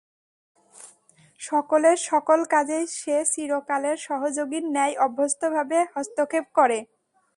সকলের সকল কাজেই সে চিরকালের সহযোগীর ন্যায় অভ্যস্তভাবে হস্তক্ষেপ করে।